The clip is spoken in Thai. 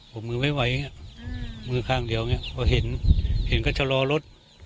กวบมือไวมือข้างเดียวเพราะเห็นก็จะรอรถ